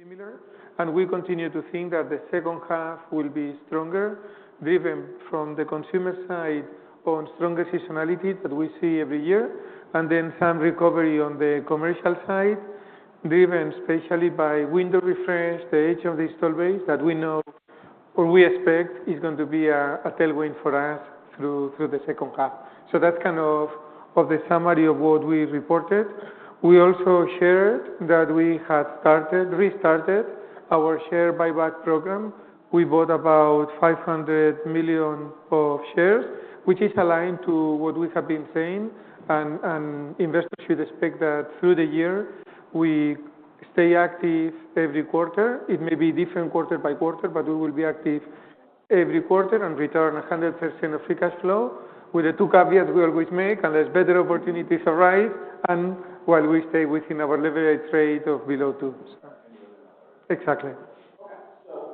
Similar, and we continue to think that the second half will be stronger, driven from the consumer side on stronger seasonality that we see every year, and then some recovery on the commercial side, driven especially by Windows refresh, the age of the installed base that we know or we expect is going to be a tailwind for us through the second half. That's kind of the summary of what we reported. We also shared that we had restarted our share buyback program. We bought about 500 million shares, which is aligned to what we have been saying, and investors should expect that through the year we stay active every quarter. It may be different quarter by quarter, but we will be active every quarter and return 100% of free cash flow with the two caveats we always make, and as better opportunities arise, and while we stay within our leverage rate of below 2% or any other number. Exactly. Okay. So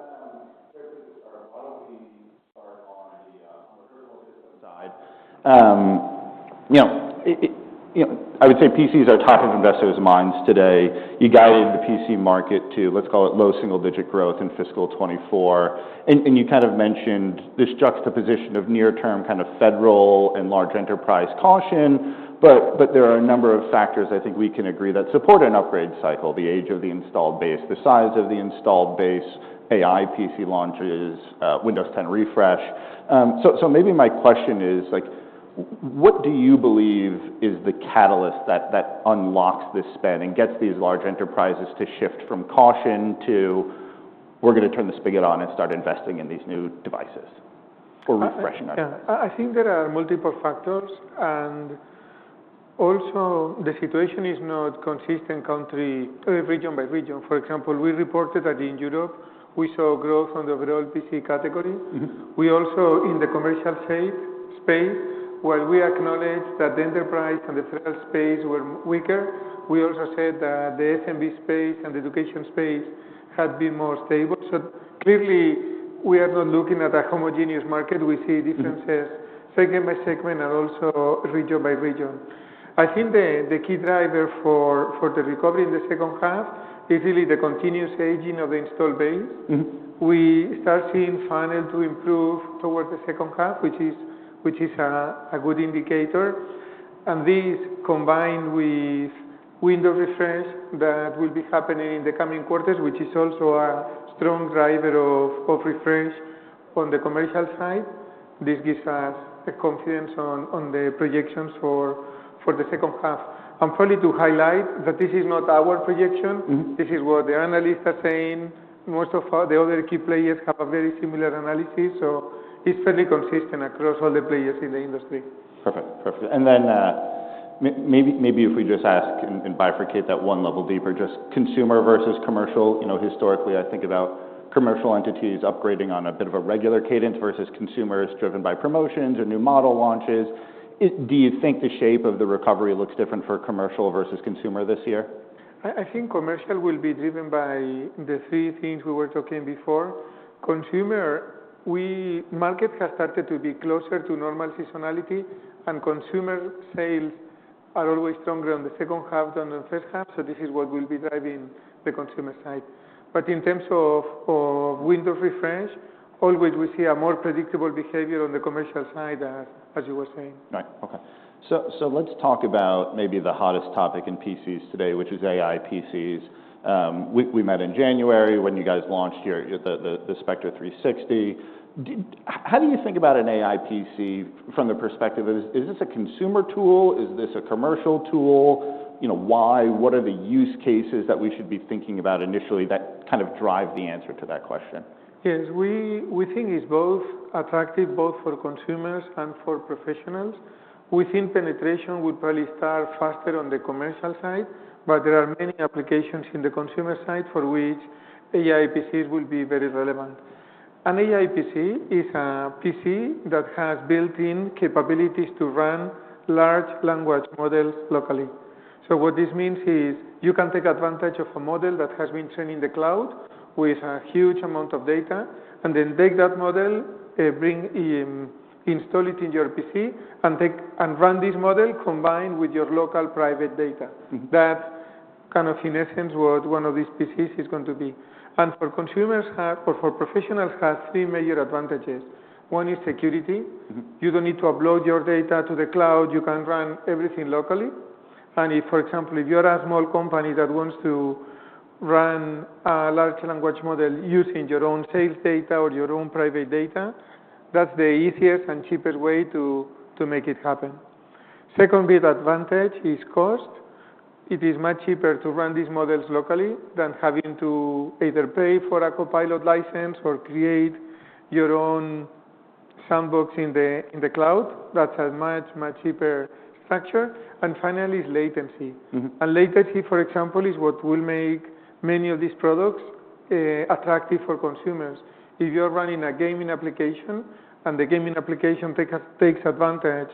quickly to start, why don't we start on the personal system side. I would say PCs are top of investors' minds today. You guided the PC market to, let's call it, low single-digit growth in fiscal 2024. And you kind of mentioned this juxtaposition of near-term kind of federal and large enterprise caution, but there are a number of factors, I think we can agree, that support an upgrade cycle: the age of the installed base, the size of the installed base, AI PC launches, Windows 10 refresh. So maybe my question is, what do you believe is the catalyst that unlocks this spend and gets these large enterprises to shift from caution to, "We're going to turn the spigot on and start investing in these new devices or refreshing our devices"? I think there are multiple factors. Also, the situation is not consistent country region by region. For example, we reported that in Europe, we saw growth on the overall PC category. We also, in the commercial space, while we acknowledged that the enterprise and the SaaS space were weaker, we also said that the SMB space and the education space had been more stable. So clearly, we are not looking at a homogeneous market. We see differences segment by segment and also region by region. I think the key driver for the recovery in the second half is really the continuous aging of the installed base. We start seeing funnel to improve towards the second half, which is a good indicator. This combined with Windows refresh that will be happening in the coming quarters, which is also a strong driver of refresh on the commercial side, this gives us confidence on the projections for the second half. Probably to highlight that this is not our projection. This is what the analysts are saying. Most of the other key players have a very similar analysis. It's fairly consistent across all the players in the industry. Perfect. And then maybe if we just ask and bifurcate that one level deeper, just consumer versus commercial. Historically, I think about commercial entities upgrading on a bit of a regular cadence versus consumers driven by promotions or new model launches. Do you think the shape of the recovery looks different for commercial versus consumer this year? I think commercial will be driven by the three things we were talking before. The market has started to be closer to normal seasonality, and consumer sales are always stronger on the second half than on the first half. So this is what will be driving the consumer side. But in terms of Windows refresh, always we see a more predictable behavior on the commercial side, as you were saying. Okay. So let's talk about maybe the hottest topic in PCs today, which is AI PCs. We met in January when you guys launched the Spectre x360. How do you think about an AI PC from the perspective of, is this a consumer tool? Is this a commercial tool? Why? What are the use cases that we should be thinking about initially that kind of drive the answer to that question? Yes. We think it's both attractive, both for consumers and for professionals. We think penetration would probably start faster on the commercial side, but there are many applications in the consumer side for which AI PCs will be very relevant. An AI PC is a PC that has built-in capabilities to run large language models locally. So what this means is you can take advantage of a model that has been trained in the cloud with a huge amount of data, and then take that model, install it in your PC, and run this model combined with your local private data. That's kind of, in essence, what one of these PCs is going to be. For consumers or for professionals, it has three major advantages. One is security. You don't need to upload your data to the cloud. You can run everything locally. For example, if you're a small company that wants to run a large language model using your own sales data or your own private data, that's the easiest and cheapest way to make it happen. Second big advantage is cost. It is much cheaper to run these models locally than having to either pay for a Copilot license or create your own sandbox in the cloud. That's a much, much cheaper structure. Finally, it's latency. Latency, for example, is what will make many of these products attractive for consumers. If you're running a gaming application and the gaming application takes advantage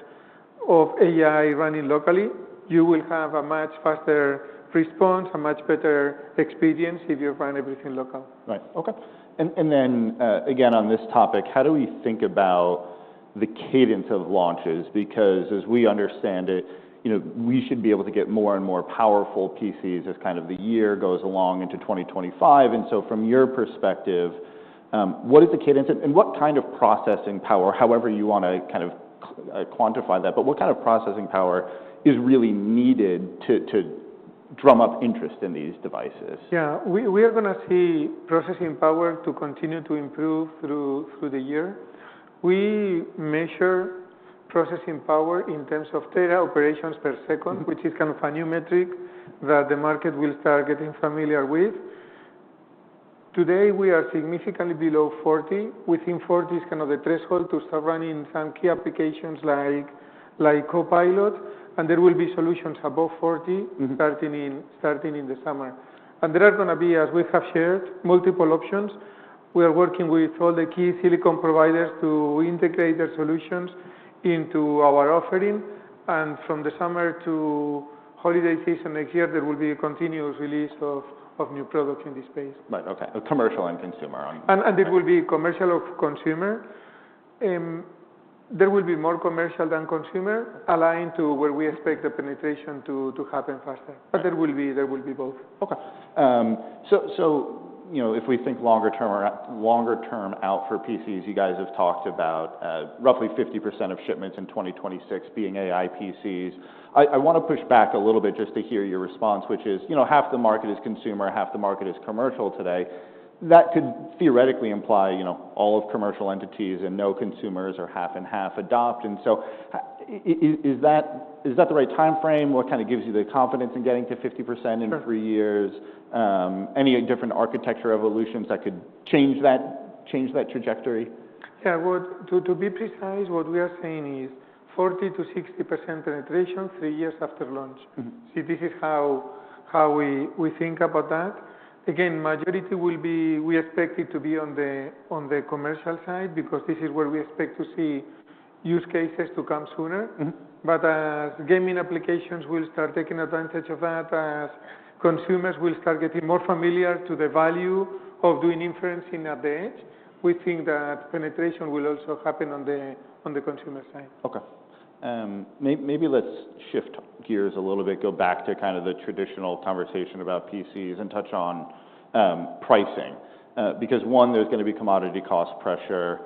of AI running locally, you will have a much faster response, a much better experience if you run everything local. Right. Okay. And then again, on this topic, how do we think about the cadence of launches? Because as we understand it, we should be able to get more and more powerful PCs as kind of the year goes along into 2025. And so from your perspective, what is the cadence? And what kind of processing power, however you want to kind of quantify that, but what kind of processing power is really needed to drum up interest in these devices? Yeah. We are going to see processing power continue to improve through the year. We measure processing power in terms of tera operations per second, which is kind of a new metric that the market will start getting familiar with. Today, we are significantly below 40. Within 40 is kind of the threshold to start running some key applications like Copilot. And there will be solutions above 40 starting in the summer. And there are going to be, as we have shared, multiple options. We are working with all the key silicon providers to integrate their solutions into our offering. And from the summer to holiday season next year, there will be a continuous release of new products in this space. Right. Okay. Commercial and consumer. It will be commercial or consumer. There will be more commercial than consumer aligned to where we expect the penetration to happen faster. But there will be both. Okay. So if we think longer-term out for PCs, you guys have talked about roughly 50% of shipments in 2026 being AI PCs. I want to push back a little bit just to hear your response, which is half the market is consumer, half the market is commercial today. That could theoretically imply all of commercial entities and no consumers or half-and-half adopt. And so is that the right timeframe? What kind of gives you the confidence in getting to 50% in three years? Any different architecture evolutions that could change that trajectory? Yeah. To be precise, what we are saying is 40%-60% penetration three years after launch. See, this is how we think about that. Again, majority will be we expect it to be on the commercial side because this is where we expect to see use cases to come sooner. But as gaming applications will start taking advantage of that, as consumers will start getting more familiar to the value of doing inference at the edge, we think that penetration will also happen on the consumer side. Okay. Maybe let's shift gears a little bit, go back to kind of the traditional conversation about PCs, and touch on pricing. Because one, there's going to be commodity cost pressure.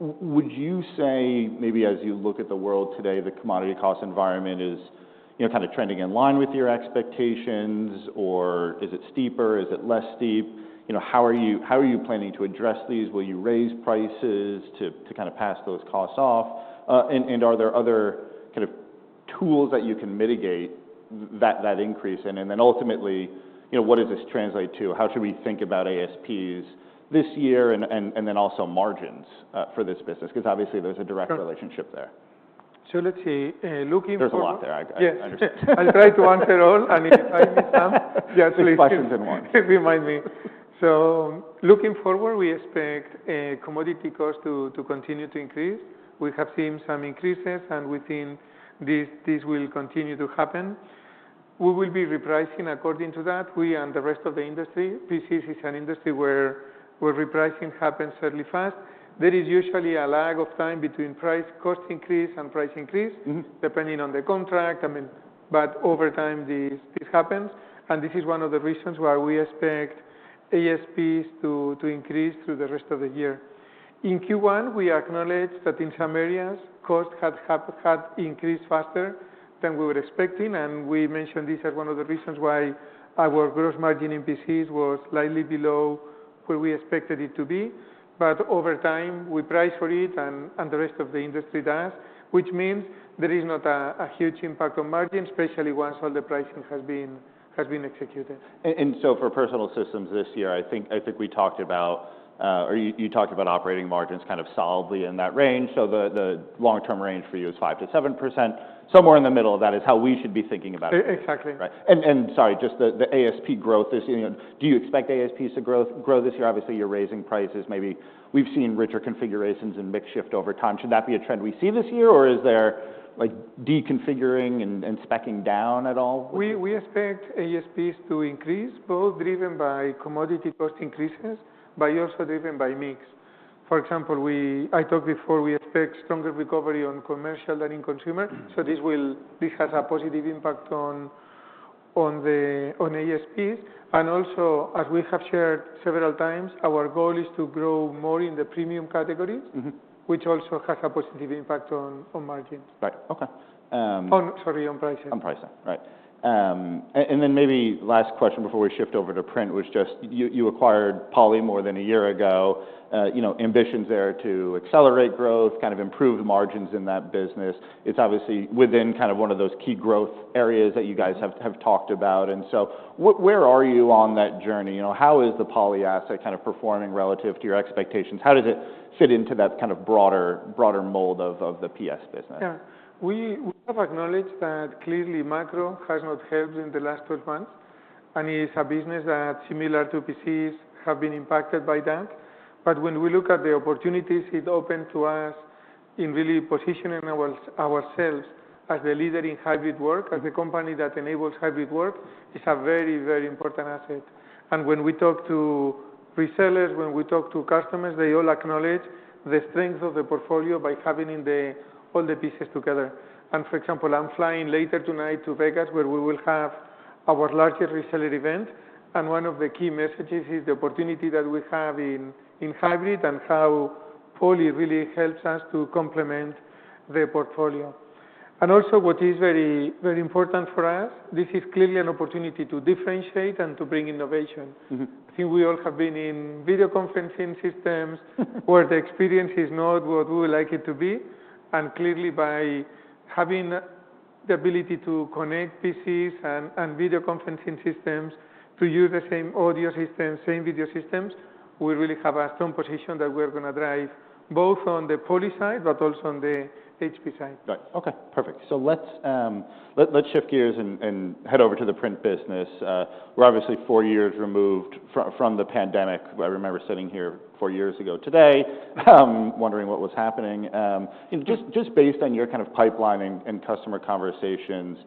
Would you say maybe as you look at the world today, the commodity cost environment is kind of trending in line with your expectations, or is it steeper? Is it less steep? How are you planning to address these? Will you raise prices to kind of pass those costs off? And are there other kind of tools that you can mitigate that increase in? And then ultimately, what does this translate to? How should we think about ASPs this year and then also margins for this business? Because obviously, there's a direct relationship there. Let's see. Looking forward. There's a lot there. I understand. Yes. I'll try to answer all. If I miss some, yes, please. Six questions in one. Remind me. So looking forward, we expect commodity costs to continue to increase. We have seen some increases, and we think this will continue to happen. We will be repricing according to that. We and the rest of the industry. PCs is an industry where repricing happens fairly fast. There is usually a lag of time between cost increase and price increase depending on the contract. But over time, this happens. And this is one of the reasons why we expect ASPs to increase through the rest of the year. In Q1, we acknowledged that in some areas, cost had increased faster than we were expecting. And we mentioned this as one of the reasons why our gross margin in PCs was slightly below where we expected it to be. But over time, we price for it, and the rest of the industry does, which means there is not a huge impact on margin, especially once all the pricing has been executed. So for Personal Systems this year, I think we talked about or you talked about operating margins kind of solidly in that range. The long-term range for you is 5%-7%. Somewhere in the middle of that is how we should be thinking about it. Exactly. Right. Sorry, just the ASP growth this year. Do you expect ASPs to grow this year? Obviously, you're raising prices. Maybe we've seen richer configurations and mix shift over time. Should that be a trend we see this year, or is there deconfiguring and speccing down at all? We expect ASPs to increase, both driven by commodity cost increases, but also driven by mix. For example, I talked before, we expect stronger recovery on commercial than in consumer. So this has a positive impact on ASPs. And also, as we have shared several times, our goal is to grow more in the premium categories, which also has a positive impact on margins. Okay. Sorry, on pricing. On pricing. Right. And then maybe the last question before we shift over to print was just you acquired Poly more than a year ago. Ambitions there to accelerate growth, kind of improve the margins in that business. It's obviously within kind of one of those key growth areas that you guys have talked about. And so where are you on that journey? How is the Poly asset kind of performing relative to your expectations? How does it fit into that kind of broader mold of the PS business? Yeah. We have acknowledged that clearly, macro has not helped in the last 12 months. And it's a business that, similar to PCs, has been impacted by that. But when we look at the opportunities it opened to us in really positioning ourselves as the leader in hybrid work, as the company that enables hybrid work, is a very, very important asset. And when we talk to resellers, when we talk to customers, they all acknowledge the strength of the portfolio by having all the pieces together. And for example, I'm flying later tonight to Vegas, where we will have our largest reseller event. And one of the key messages is the opportunity that we have in hybrid and how Poly really helps us to complement the portfolio. And also, what is very important for us, this is clearly an opportunity to differentiate and to bring innovation. I think we all have been in video conferencing systems where the experience is not what we would like it to be. And clearly, by having the ability to connect PCs and video conferencing systems to use the same audio systems, same video systems, we really have a strong position that we are going to drive both on the Poly side, but also on the HP side. Right. Okay. Perfect. Let's shift gears and head over to the print business. We're obviously four years removed from the pandemic. I remember sitting here four years ago today, wondering what was happening. Just based on your kind of pipeline and customer conversations,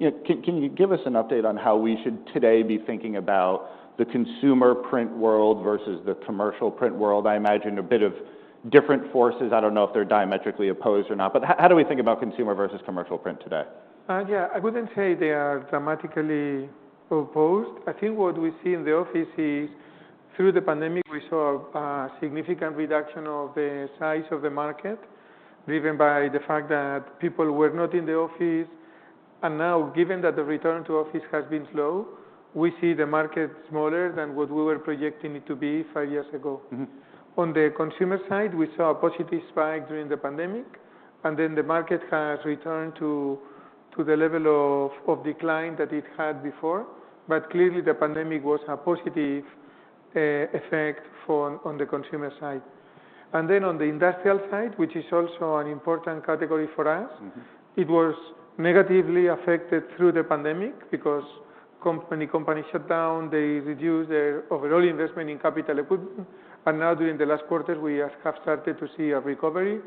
can you give us an update on how we should today be thinking about the consumer print world versus the commercial print world? I imagine a bit of different forces. I don't know if they're diametrically opposed or not. How do we think about consumer versus commercial print today? Yeah. I wouldn't say they are dramatically opposed. I think what we see in the office is through the pandemic, we saw a significant reduction of the size of the market driven by the fact that people were not in the office. And now, given that the return to office has been slow, we see the market smaller than what we were projecting it to be five years ago. On the consumer side, we saw a positive spike during the pandemic. And then the market has returned to the level of decline that it had before. But clearly, the pandemic was a positive effect on the consumer side. And then on the industrial side, which is also an important category for us, it was negatively affected through the pandemic because many companies shut down. They reduced their overall investment in capital equipment. Now, during the last quarter, we have started to see a recovery.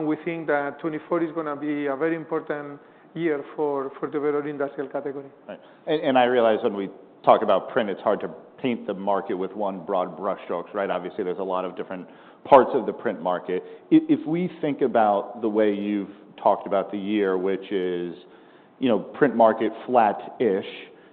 We think that 2024 is going to be a very important year for the overall industrial category. Right. I realize when we talk about print, it's hard to paint the market with one broad brushstroke. Right? Obviously, there's a lot of different parts of the print market. If we think about the way you've talked about the year, which is print market flat-ish,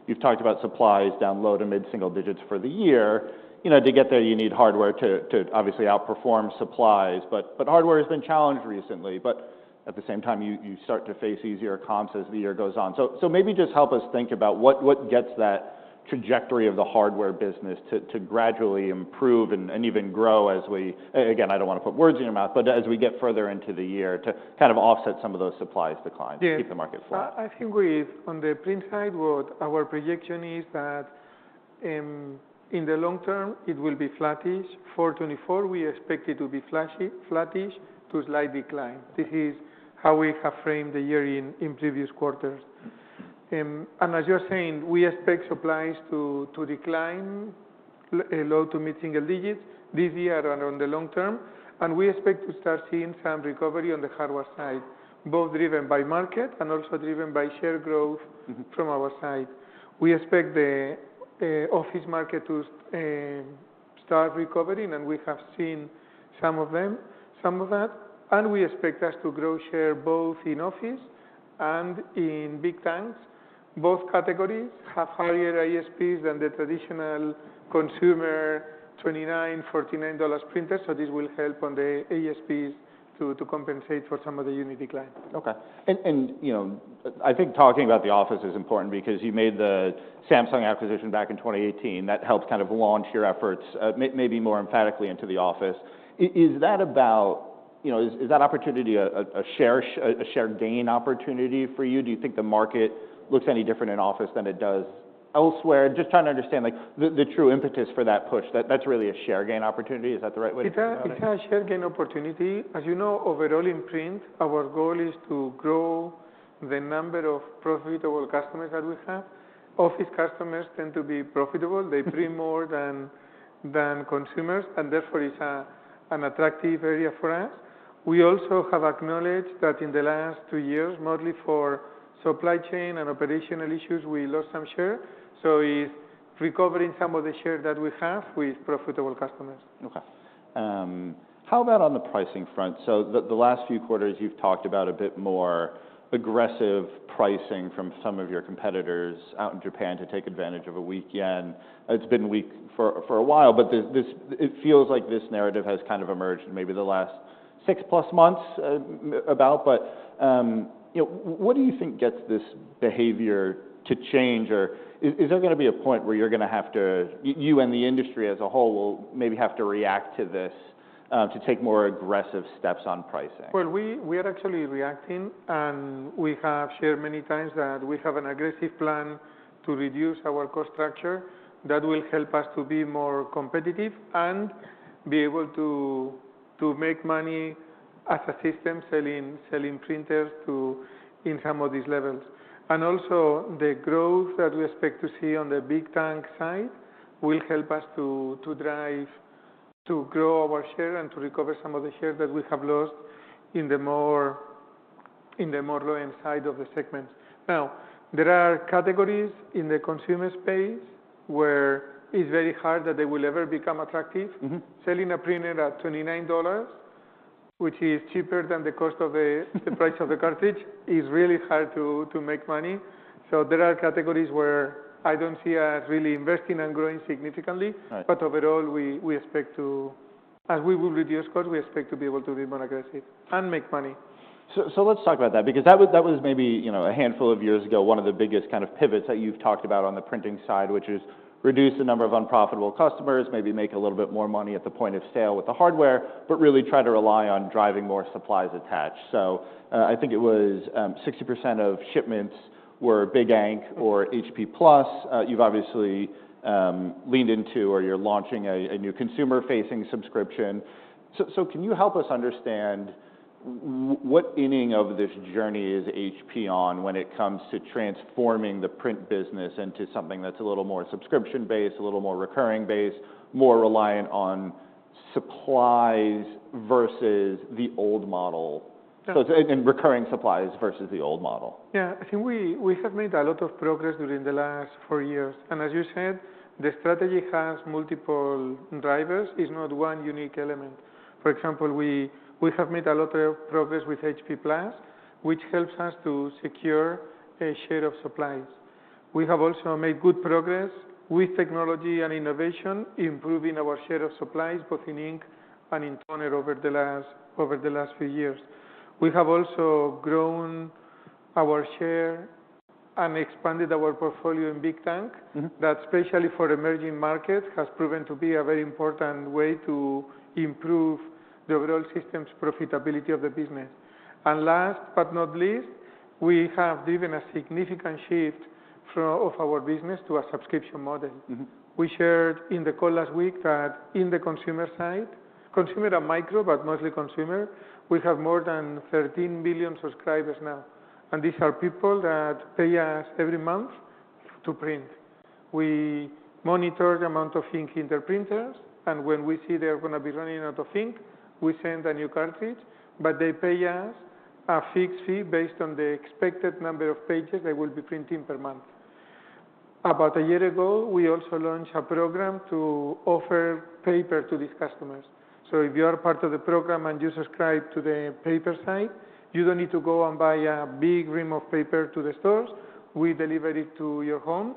you've talked about supplies down low to mid-single digits for the year. To get there, you need hardware to obviously outperform supplies. But hardware has been challenged recently. But at the same time, you start to face easier comps as the year goes on. So maybe just help us think about what gets that trajectory of the hardware business to gradually improve and even grow as we again, I don't want to put words in your mouth, but as we get further into the year, to kind of offset some of those supplies declines, keep the market flowing. Yeah. I think, on the print side, what our projection is that in the long term, it will be flattish. For 2024, we expect it to be flattish to slight decline. This is how we have framed the year in previous quarters. And as you're saying, we expect supplies to decline low- to mid-single digits this year and on the long term. And we expect to start seeing some recovery on the hardware side, both driven by market and also driven by share growth from our side. We expect the office market to start recovering. And we have seen some of that. And we expect us to grow share both in office and in Ink Tank. Both categories have higher ASPs than the traditional consumer $29, $49 printers. So this will help on the ASPs to compensate for some of the unit decline. Okay. I think talking about the office is important because you made the Samsung acquisition back in 2018. That helped kind of launch your efforts maybe more emphatically into the office. Is that opportunity a share gain opportunity for you? Do you think the market looks any different in office than it does elsewhere? Just trying to understand the true impetus for that push. That's really a share gain opportunity. Is that the right way to put it? It's a share gain opportunity. As you know, overall in print, our goal is to grow the number of profitable customers that we have. Office customers tend to be profitable. They print more than consumers. Therefore, it's an attractive area for us. We also have acknowledged that in the last two years, mostly for supply chain and operational issues, we lost some share. It's recovering some of the share that we have with profitable customers. Okay. How about on the pricing front? So the last few quarters, you've talked about a bit more aggressive pricing from some of your competitors out in Japan to take advantage of a weak yen. It's been weak for a while, but it feels like this narrative has kind of emerged maybe the last six-plus months about. But what do you think gets this behavior to change? Or is there going to be a point where you're going to have to you and the industry as a whole will maybe have to react to this to take more aggressive steps on pricing? Well, we are actually reacting. And we have shared many times that we have an aggressive plan to reduce our cost structure that will help us to be more competitive and be able to make money as a system selling printers in some of these levels. And also, the growth that we expect to see on the Ink Tank side will help us to grow our share and to recover some of the share that we have lost in the more low-end side of the segments. Now, there are categories in the consumer space where it's very hard that they will ever become attractive. Selling a printer at $29, which is cheaper than the cost of the price of the cartridge, is really hard to make money. So there are categories where I don't see us really investing and growing significantly. Overall, we expect to, as we will reduce costs, we expect to be able to be more aggressive and make money. So let's talk about that. Because that was maybe a handful of years ago, one of the biggest kind of pivots that you've talked about on the printing side, which is reduce the number of unprofitable customers, maybe make a little bit more money at the point of sale with the hardware, but really try to rely on driving more supplies attached. So I think it was 60% of shipments were Ink Tank or HP+. You've obviously leaned into or you're launching a new consumer-facing subscription. So can you help us understand what inning of this journey is HP on when it comes to transforming the print business into something that's a little more subscription-based, a little more recurring-based, more reliant on supplies versus the old model? And recurring supplies versus the old model. Yeah. I think we have made a lot of progress during the last four years. And as you said, the strategy has multiple drivers. It's not one unique element. For example, we have made a lot of progress with HP+, which helps us to secure a share of supplies. We have also made good progress with technology and innovation, improving our share of supplies, both in ink and in toner over the last few years. We have also grown our share and expanded our portfolio in Ink Tank that, especially for emerging markets, has proven to be a very important way to improve the overall system's profitability of the business. And last but not least, we have driven a significant shift of our business to a subscription model. We shared in the call last week that in the consumer side, consumer and micro, but mostly consumer, we have more than 13 billion subscribers now. These are people that pay us every month to print. We monitor the amount of ink in their printers. And when we see they are going to be running out of ink, we send a new cartridge. But they pay us a fixed fee based on the expected number of pages they will be printing per month. About a year ago, we also launched a program to offer paper to these customers. So if you are part of the program and you subscribe to the paper side, you don't need to go and buy a big ream of paper to the stores. We deliver it to your home.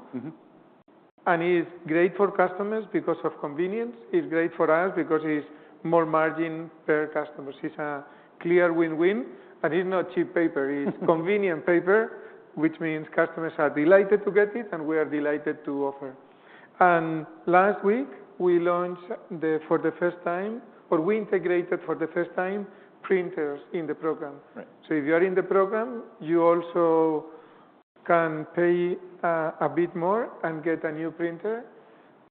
And it's great for customers because of convenience. It's great for us because it's more margin per customer. It's a clear win-win. It's not cheap paper. It's convenient paper, which means customers are delighted to get it, and we are delighted to offer. Last week, we launched for the first time or we integrated for the first time printers in the program. So if you are in the program, you also can pay a bit more and get a new printer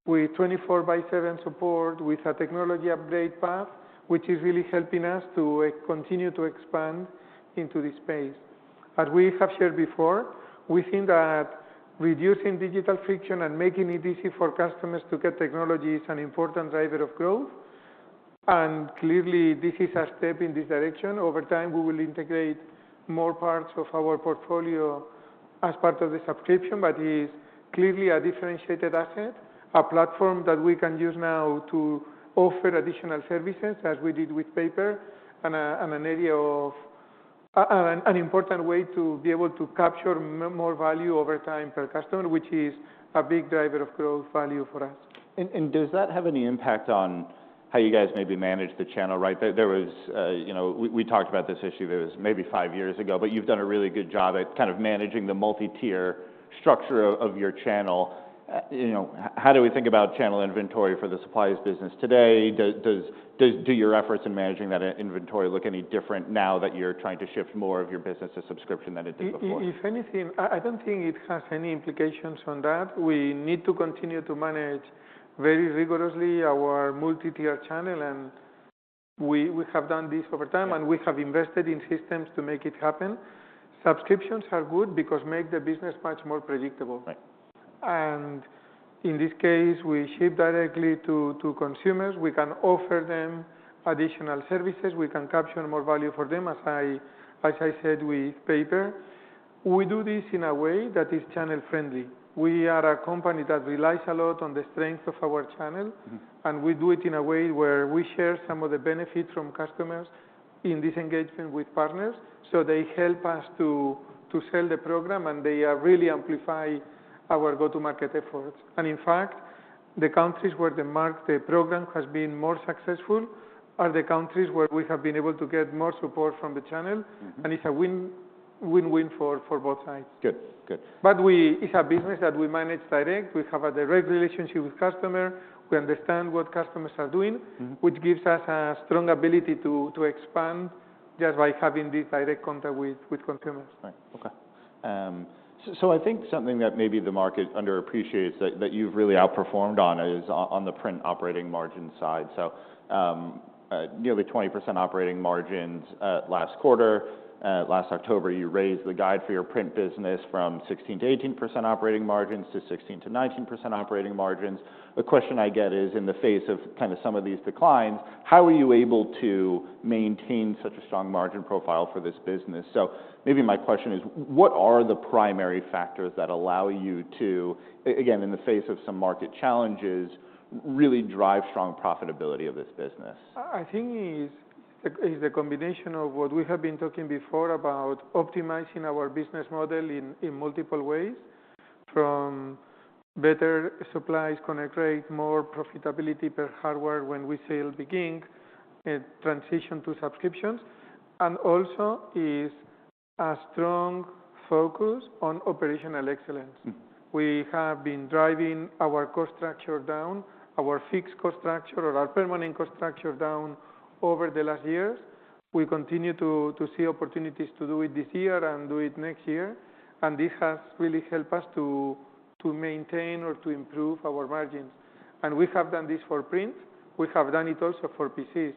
with 24/7 support with a technology upgrade path, which is really helping us to continue to expand into this space. As we have shared before, we think that reducing digital friction and making it easy for customers to get technology is an important driver of growth. Clearly, this is a step in this direction. Over time, we will integrate more parts of our portfolio as part of the subscription. But it's clearly a differentiated asset, a platform that we can use now to offer additional services as we did with paper and an area of an important way to be able to capture more value over time per customer, which is a big driver of growth value for us. Does that have any impact on how you guys maybe manage the channel? Right? We talked about this issue. It was maybe five years ago. But you've done a really good job at kind of managing the multi-tier structure of your channel. How do we think about channel inventory for the supplies business today? Do your efforts in managing that inventory look any different now that you're trying to shift more of your business to subscription than it did before? If anything, I don't think it has any implications on that. We need to continue to manage very rigorously our multi-tier channel. We have done this over time. We have invested in systems to make it happen. Subscriptions are good because they make the business much more predictable. In this case, we ship directly to consumers. We can offer them additional services. We can capture more value for them, as I said, with paper. We do this in a way that is channel-friendly. We are a company that relies a lot on the strength of our channel. We do it in a way where we share some of the benefits from customers in this engagement with partners. So they help us to sell the program. They really amplify our go-to-market efforts. In fact, the countries where the program has been more successful are the countries where we have been able to get more support from the channel. It's a win-win for both sides. Good. Good. But it's a business that we manage direct. We have a direct relationship with customers. We understand what customers are doing, which gives us a strong ability to expand just by having this direct contact with consumers. Right. Okay. So I think something that maybe the market underappreciates that you've really outperformed on is on the print operating margin side. So nearly 20% operating margins last quarter. Last October, you raised the guide for your print business from 16%-18% operating margins to 16%-19% operating margins. A question I get is, in the face of kind of some of these declines, how are you able to maintain such a strong margin profile for this business? So maybe my question is, what are the primary factors that allow you to, again, in the face of some market challenges, really drive strong profitability of this business? I think it's a combination of what we have been talking before about optimizing our business model in multiple ways, from better supplies connect rate, more profitability per hardware when we sell beginning transition to subscriptions, and also a strong focus on operational excellence. We have been driving our cost structure down, our fixed cost structure or our permanent cost structure down over the last years. We continue to see opportunities to do it this year and do it next year. And this has really helped us to maintain or to improve our margins. And we have done this for print. We have done it also for PCs.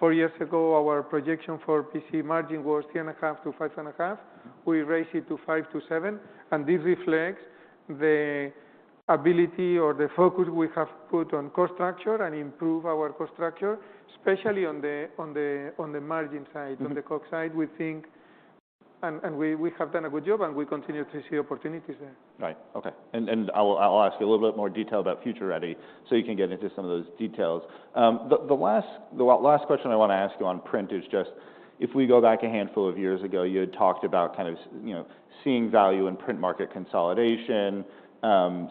Four years ago, our projection for PC margin was 3.5%-5.5%. We raised it to 5%-7%. This reflects the ability or the focus we have put on cost structure and improve our cost structure, especially on the margin side, on the COGS side. We have done a good job. We continue to see opportunities there. Right. Okay. And I'll ask you a little bit more detail about Future Ready so you can get into some of those details. The last question I want to ask you on print is just, if we go back a handful of years ago, you had talked about kind of seeing value in print market consolidation.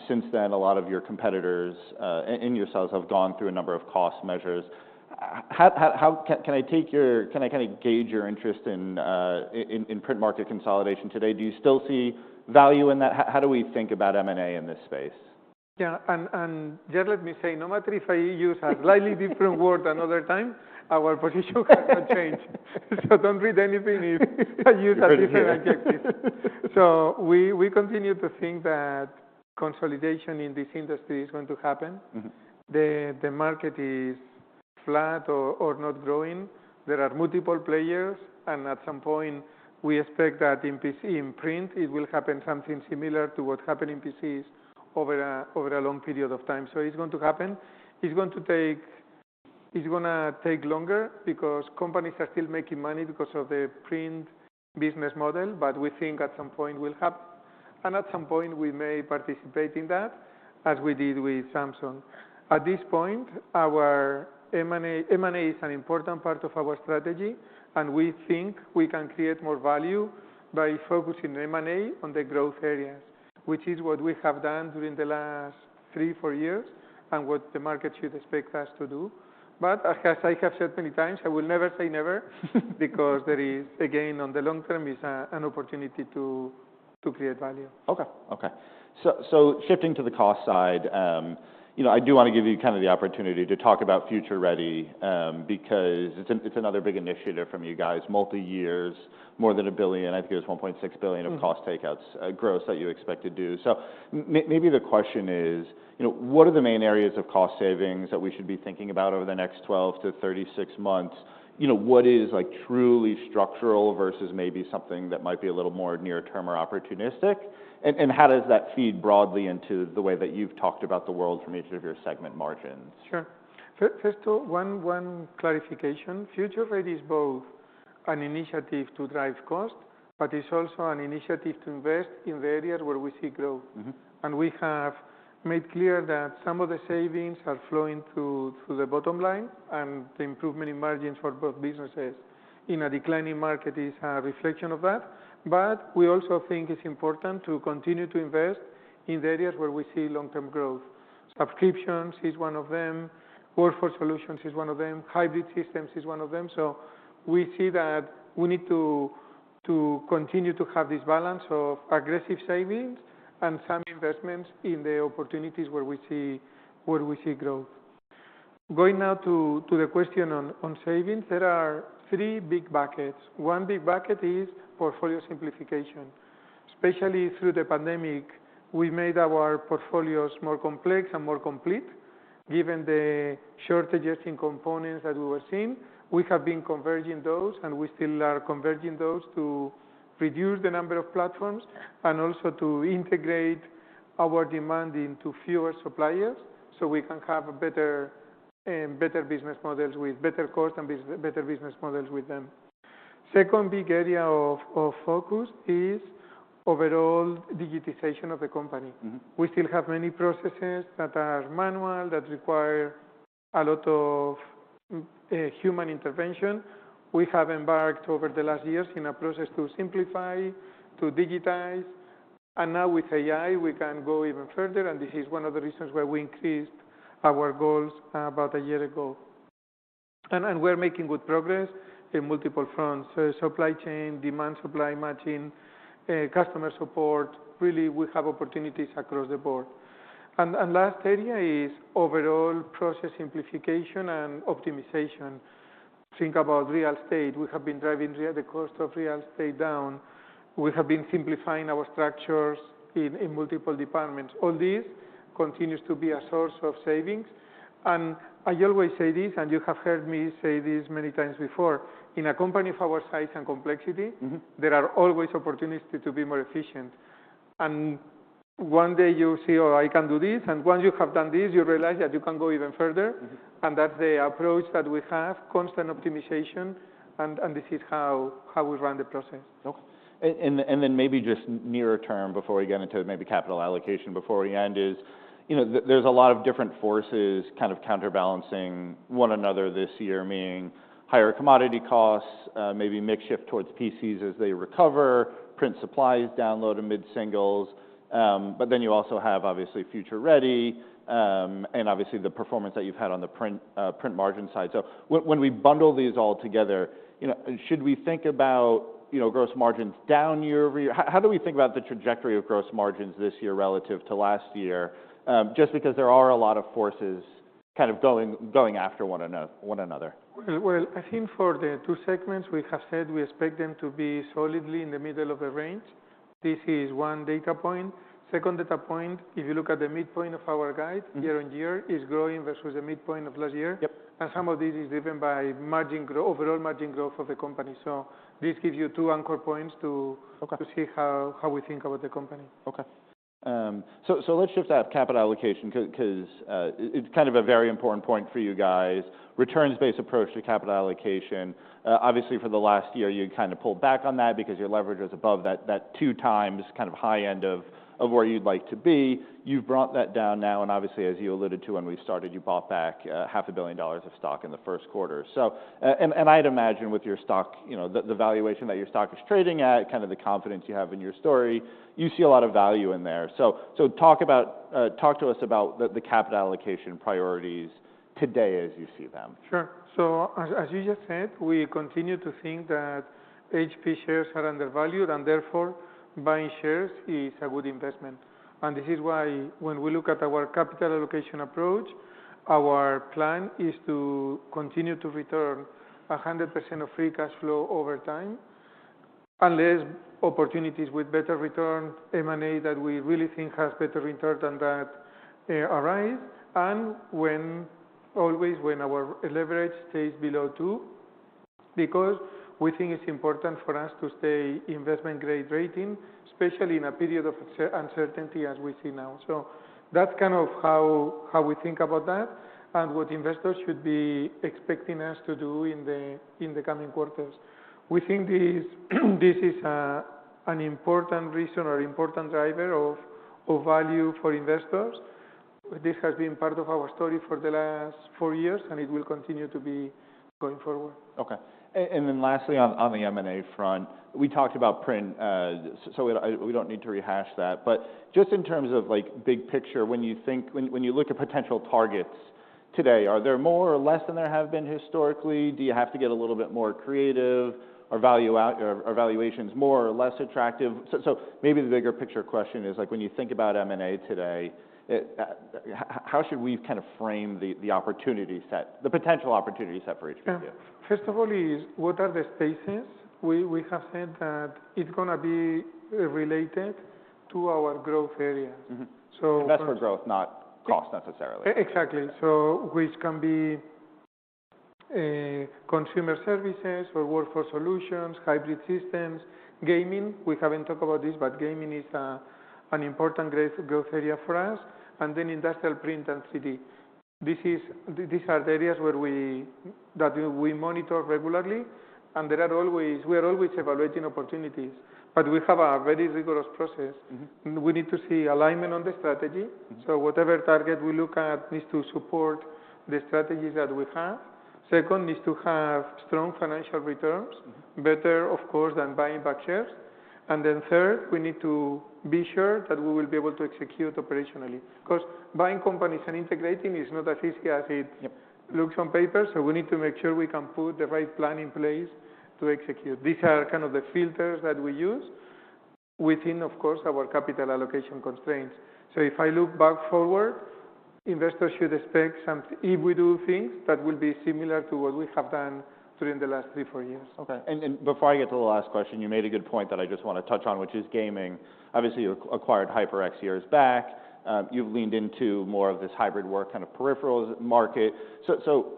Since then, a lot of your competitors and yourselves have gone through a number of cost measures. Can I kind of gauge your interest in print market consolidation today? Do you still see value in that? How do we think about M&A in this space? Yeah. And just let me say, no matter if I use a slightly different word another time, our position has not changed. So don't read anything if I use a different adjective. So we continue to think that consolidation in this industry is going to happen. The market is flat or not growing. There are multiple players. And at some point, we expect that in print, it will happen something similar to what happened in PCs over a long period of time. So it's going to happen. It's going to take longer because companies are still making money because of the print business model. But we think at some point, it will happen. And at some point, we may participate in that, as we did with Samsung. At this point, M&A is an important part of our strategy. We think we can create more value by focusing M&A on the growth areas, which is what we have done during the last 3 or 4 years and what the market should expect us to do. But as I have said many times, I will never say never because there is, again, on the long term, it's an opportunity to create value. Okay. Okay. So shifting to the cost side, I do want to give you kind of the opportunity to talk about Future Ready because it's another big initiative from you guys, multi-years, more than $1 billion. I think it was $1.6 billion of cost takeouts gross that you expect to do. So maybe the question is, what are the main areas of cost savings that we should be thinking about over the next 12-36 months? What is truly structural versus maybe something that might be a little more near-term or opportunistic? And how does that feed broadly into the way that you've talked about the world from each of your segment margins? Sure. First of all, one clarification. Future Ready is both an initiative to drive cost, but it's also an initiative to invest in the areas where we see growth. And we have made clear that some of the savings are flowing through the bottom line. And the improvement in margins for both businesses in a declining market is a reflection of that. But we also think it's important to continue to invest in the areas where we see long-term growth. Subscriptions is one of them. Workforce Solutions is one of them. Hybrid Systems is one of them. So we see that we need to continue to have this balance of aggressive savings and some investments in the opportunities where we see growth. Going now to the question on savings, there are three big buckets. One big bucket is portfolio simplification. Especially through the pandemic, we made our portfolios more complex and more complete. Given the shortages in components that we were seeing, we have been converging those. We still are converging those to reduce the number of platforms and also to integrate our demand into fewer suppliers so we can have better business models with better cost and better business models with them. Second big area of focus is overall digitization of the company. We still have many processes that are manual that require a lot of human intervention. We have embarked over the last years in a process to simplify, to digitize. Now with AI, we can go even further. This is one of the reasons why we increased our goals about a year ago. We're making good progress in multiple fronts: supply chain, demand supply matching, customer support. Really, we have opportunities across the board. Last area is overall process simplification and optimization. Think about real estate. We have been driving the cost of real estate down. We have been simplifying our structures in multiple departments. All this continues to be a source of savings. I always say this. You have heard me say this many times before. In a company of our size and complexity, there are always opportunities to be more efficient. One day, you see, "Oh, I can do this." Once you have done this, you realize that you can go even further. That's the approach that we have: constant optimization. This is how we run the process. Okay. And then maybe just nearer term before we get into maybe capital allocation before we end is, there's a lot of different forces kind of counterbalancing one another this year, meaning higher commodity costs, maybe mix shift towards PCs as they recover, print supplies download amid singles. But then you also have, obviously, Future Ready and obviously the performance that you've had on the print margin side. So when we bundle these all together, should we think about gross margins down year-over-year? How do we think about the trajectory of gross margins this year relative to last year just because there are a lot of forces kind of going after one another? Well, I think for the two segments, we have said we expect them to be solidly in the middle of the range. This is one data point. Second data point, if you look at the midpoint of our guide year-on-year, is growing versus the midpoint of last year. And some of this is driven by overall margin growth of the company. So this gives you two anchor points to see how we think about the company. Okay. So let's shift to capital allocation because it's kind of a very important point for you guys, returns-based approach to capital allocation. Obviously, for the last year, you kind of pulled back on that because your leverage was above that 2x kind of high end of where you'd like to be. You've brought that down now. And obviously, as you alluded to when we started, you bought back $500 million of stock in the first quarter. And I'd imagine with your stock, the valuation that your stock is trading at, kind of the confidence you have in your story, you see a lot of value in there. So talk to us about the capital allocation priorities today as you see them. Sure. So as you just said, we continue to think that HP shares are undervalued. Therefore, buying shares is a good investment. This is why when we look at our capital allocation approach, our plan is to continue to return 100% of free cash flow over time unless opportunities with better return M&A that we really think have better return than that arise, and always when our leverage stays below 2 because we think it's important for us to stay investment-grade rating, especially in a period of uncertainty as we see now. That's kind of how we think about that and what investors should be expecting us to do in the coming quarters. We think this is an important reason or important driver of value for investors. This has been part of our story for the last four years. It will continue to be going forward. Okay. And then lastly, on the M&A front, we talked about print. So we don't need to rehash that. But just in terms of big picture, when you look at potential targets today, are there more or less than there have been historically? Do you have to get a little bit more creative? Are valuations more or less attractive? So maybe the bigger picture question is, when you think about M&A today, how should we kind of frame the potential opportunity set for HP? Yeah. First of all, what are the spaces? We have said that it's going to be related to our growth areas. Invest for growth, not cost necessarily. Exactly. So which can be consumer services or Workforce Solutions, Hybrid Systems, gaming. We haven't talked about this. But gaming is an important growth area for us. And then Industrial Print and 3D. These are the areas that we monitor regularly. And we are always evaluating opportunities. But we have a very rigorous process. We need to see alignment on the strategy. So whatever target we look at needs to support the strategies that we have. Second, needs to have strong financial returns, better, of course, than buying back shares. And then third, we need to be sure that we will be able to execute operationally because buying companies and integrating is not as easy as it looks on paper. So we need to make sure we can put the right plan in place to execute. These are kind of the filters that we use within, of course, our capital allocation constraints. So if I look back forward, investors should expect if we do things that will be similar to what we have done during the last 3-4 years. Okay. And before I get to the last question, you made a good point that I just want to touch on, which is gaming. Obviously, you acquired HyperX years back. You've leaned into more of this hybrid work kind of peripheral market. So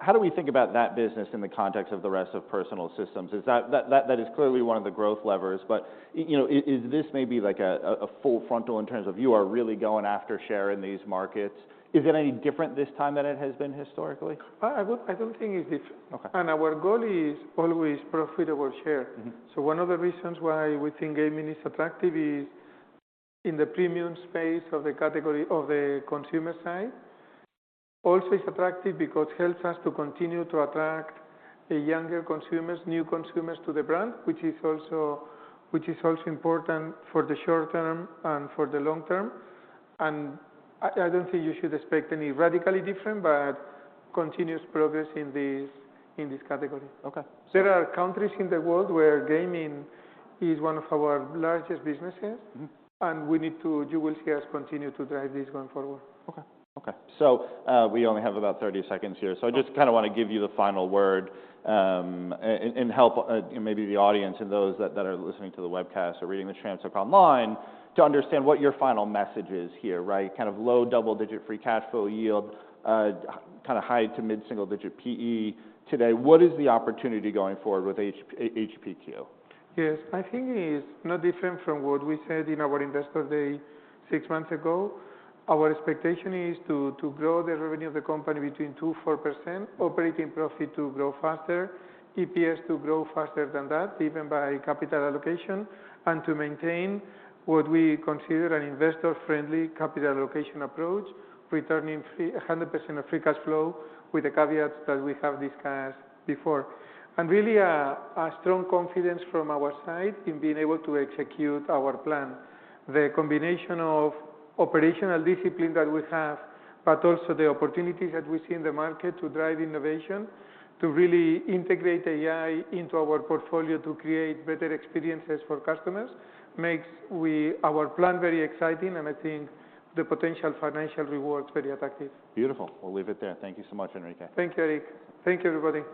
how do we think about that business in the context of the rest of personal systems? That is clearly one of the growth levers. But is this maybe a full frontal in terms of you are really going after share in these markets? Is it any different this time than it has been historically? I don't think it's different. Our goal is always profitable share. One of the reasons why we think gaming is attractive is in the premium space of the consumer side. Also, it's attractive because it helps us to continue to attract younger consumers, new consumers to the brand, which is also important for the short term and for the long term. And I don't think you should expect any radically different, but continuous progress in this category. There are countries in the world where gaming is one of our largest businesses. And you will see us continue to drive this going forward. Okay. Okay. So we only have about 30 seconds here. So I just kind of want to give you the final word and help maybe the audience and those that are listening to the webcast or reading the transcript online to understand what your final message is here, right, kind of low double-digit free cash flow yield, kind of high to mid-single-digit PE today. What is the opportunity going forward with HPQ? Yes. My thinking is not different from what we said in our investor day six months ago. Our expectation is to grow the revenue of the company between 2%-4%, operating profit to grow faster, EPS to grow faster than that, even by capital allocation, and to maintain what we consider an investor-friendly capital allocation approach, returning 100% of free cash flow with the caveats that we have discussed before, and really a strong confidence from our side in being able to execute our plan, the combination of operational discipline that we have but also the opportunities that we see in the market to drive innovation, to really integrate AI into our portfolio to create better experiences for customers makes our plan very exciting. And I think the potential financial rewards are very attractive. Beautiful. We'll leave it there. Thank you so much, Enrique. Thank you, Erik. Thank you, everybody.